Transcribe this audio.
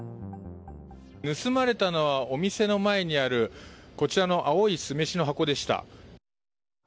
盗まれたのは、お店の前にある青い酢飯の箱でした。